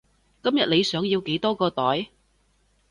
今日你想要幾多個袋？